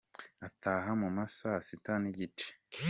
Ataha mu ma saa sita n’igice.